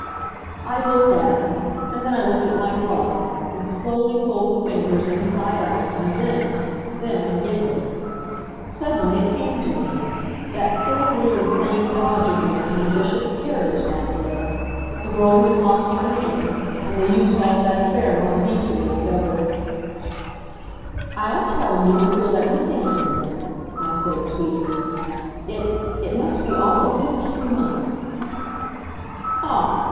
I looked at him. And then I looked at my glove, and slowly pulled the fingers inside out, and then then I giggled. Suddenly it came to me that silly, little insane dodge of mine in the Bishop's carriage that day; the girl who had lost her name; and the use all that affair might be to me if ever "I'll tell you if you'll let me think a minute," I said sweetly. "It it must be all of fifteen months." "Ah!